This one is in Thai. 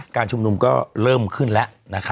การชุมนุมก็เริ่มขึ้นแล้ว